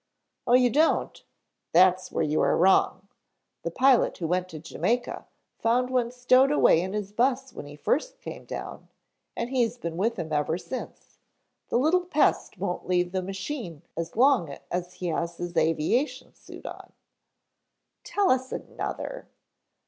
"Oh, you don't? That's where you are wrong. The pilot who went to Jamaica found one stowed away in his bus when he first came down, and he's been with him ever since. The little pest won't leave the machine as long as he has his aviation suit on." "Tell us another."